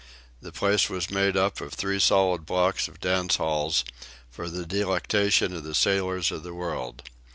The place was made up of three solid blocks of dance halls, for the delectation of the sailors of the world.